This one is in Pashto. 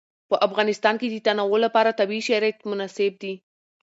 په افغانستان کې د تنوع لپاره طبیعي شرایط مناسب دي.